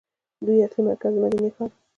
دوی اصلي مرکز د مدینې ښار وو.